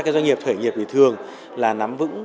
các doanh nghiệp khởi nghiệp thì thường là nắm vững